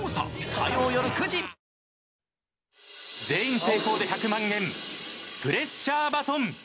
全員成功で１００万円プレッシャーバトン。